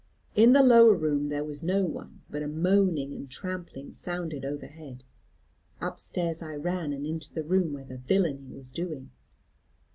In the lower room there was no one, but a moaning and trampling sounded over head. Upstairs I ran, and into the room where the villany was doing.